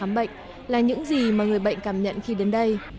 các bệnh viện khám bệnh là những gì mà người bệnh cảm nhận khi đến đây